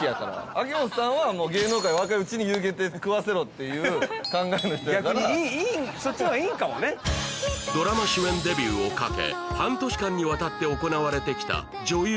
秋元さんは食わせろっていう考えの人やから逆にそっちの方がいいんかもねドラマ主演デビューをかけ半年間にわたって行われてきた女優